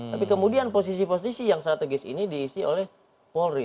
tapi kemudian posisi posisi yang strategis ini diisi oleh polri